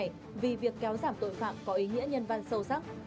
giảm tội phạm có ý nghĩa nhân văn sâu sắc